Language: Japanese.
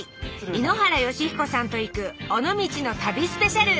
井ノ原快彦さんと行く「尾道の旅スペシャル」！